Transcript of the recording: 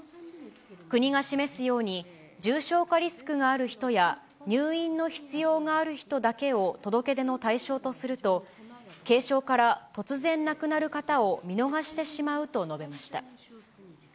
国が示すように、重症化リスクがある人や入院の必要がある人だけを届け出の対象とすると、軽症から突然亡くなる方を見逃してしまうと述べました。